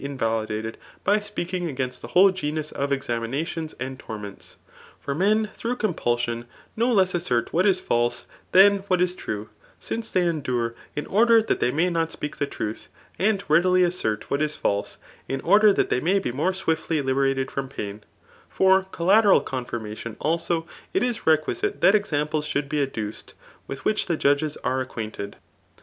But if they are against us, and favourable to our opponent, then the evi* dence may be invalidated by speaking against the whole genus of examinadons and torments* For men through compulsion no less assert what is false than what is true ; since they endure in order that they may xiat speak the truth, and readily assert what is false, in order that they may be more swiftly liberated from pain. For collateral confirmadon, also, it is requisite that examples should be adduced, with which the judges are ac quainted.